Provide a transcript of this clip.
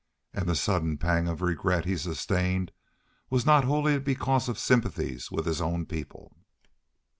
And the sudden pang of regret he sustained was not wholly because of sympathies with his own people.